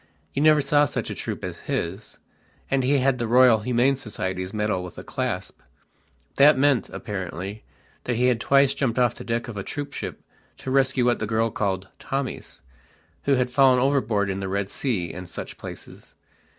You never saw such a troop as his. And he had the Royal Humane Society's medal with a clasp. That meant, apparently, that he had twice jumped off the deck of a troopship to rescue what the girl called "Tommies", who had fallen overboard in the Red Sea and such places.